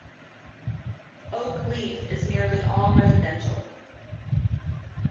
Oak Leaf is nearly all residential.